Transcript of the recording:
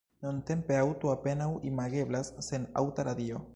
Nuntempe aŭto apenaŭ imageblas sen aŭta radio.